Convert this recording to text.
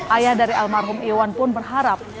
ayah dari almarhum iwan pun berharap